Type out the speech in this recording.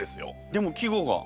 でも季語が。